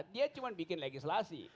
dia cuma bikin legislasi